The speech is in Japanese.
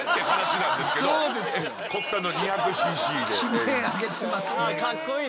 悲鳴上げてますね。